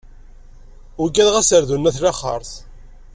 Ugadeɣ asardun n at laxert.